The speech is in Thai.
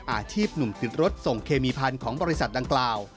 อาชีพหนุ่มติดรถส่งเคมีพันธุ์ของบริษัทดังกล่าว